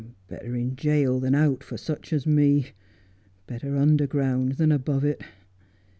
' Better in jail than out for such as me — better underground than above it.'